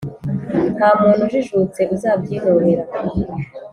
nta muntu ujijutse uzabyinubira